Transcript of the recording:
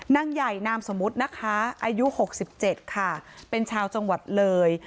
นางใหญ่นามสมมุตินะคะอายุ๖๗ค่ะเป็นชาวจังหวัดเลย